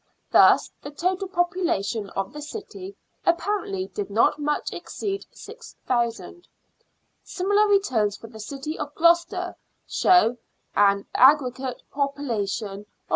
Thus the total population of the city appar ently did not much exceed 6,000. Similar returns for the city of Gloucester show an aggregate population of 3,159.